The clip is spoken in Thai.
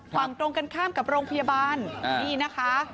ฝั่งตรงกันข้ามกับโรงพยาบาลนี่นะคะ